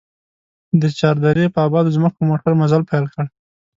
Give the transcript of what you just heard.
د چار درې په ابادو ځمکو موټر مزل پيل کړ.